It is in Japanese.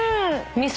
味噌！